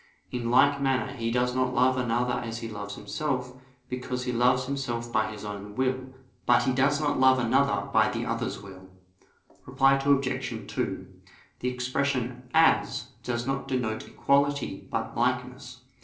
In like manner he does not love another as he loves himself, because he loves himself by his own will; but he does not love another by the other's will. Reply Obj. 2: The expression "as" does not denote equality, but likeness.